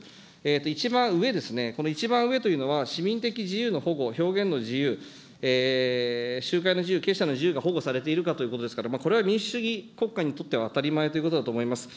一番上ですね、この一番上というのは、市民的自由の保護、表現の自由、集会の自由、結社の自由、保護されているかということですから、これは民主主義国家にとっては当たり前ということだと思います。